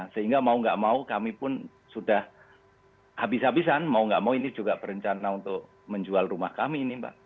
sehingga mau nggak mau kami pun sudah habis habisan mau nggak mau ini juga berencana untuk menjual rumah kami ini mbak